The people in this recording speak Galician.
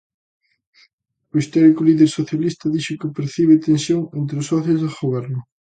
O histórico líder socialista dixo que percibe tensión entre os socios de Goberno.